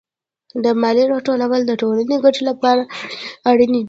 د مالیې راټولول د ټولنې د ګټې لپاره اړین دي.